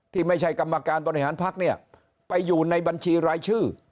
ที่ไม่ใช่กรรมการบริหารพักเนี่ยไปอยู่ในบัญชีรายชื่อ